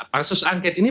pansus angket ini